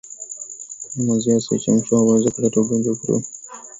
Kunywa maziwa yasiyochemshwa huweza kuleta ugonjwa wa kutupa mimba kwa binadamu